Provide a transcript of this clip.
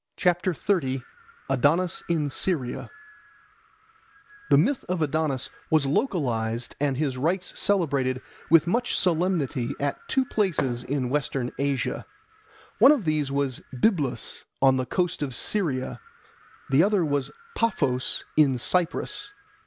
Adonis in Syria THE MYTH of Adonis was localised and his rites celebrated with much solemnity at two places in Western Asia. One of these was Byblus on the coast of Syria, the other was Paphos in Cyprus.